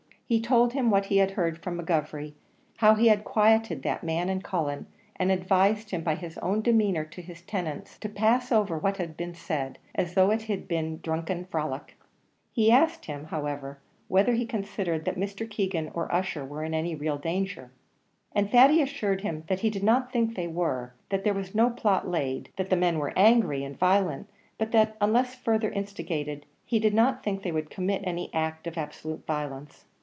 He told him what he had heard from McGovery how he had quieted that man and Cullen and advised him by his own demeanour to his tenants, to pass over what had been said, as though it had been a drunken frolic. He asked him, however, whether he considered that Mr. Keegan or Ussher were in any real danger; and Thady assured him that he did not think they were that there was no plot laid that the men were angry and violent, but that, unless further instigated, he did not think they would commit any act of absolute violence.